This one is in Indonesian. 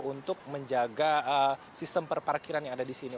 untuk menjaga sistem perparkiran yang ada di sini